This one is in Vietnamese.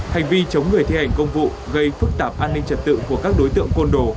hành vi chống người thi hành công vụ gây phức tạp an ninh trật tự của các đối tượng côn đồ